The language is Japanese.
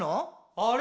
あれ？